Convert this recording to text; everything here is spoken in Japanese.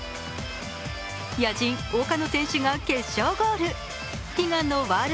野人、岡野選手が決勝ゴール。